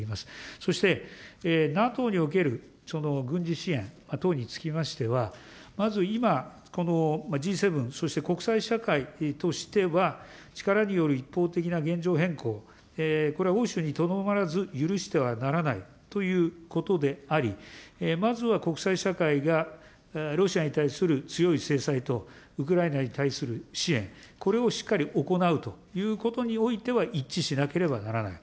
そして、ＮＡＴＯにおける軍事支援等につきましては、まず今、このＧ７、そして国際社会としては、力による一方的な現状変更、これは欧州にとどまらず、許してはならないということであり、まずは国際社会が、ロシアに対する強い制裁と、ウクライナに対する支援、これをしっかり行うということにおいては一致しなければならない。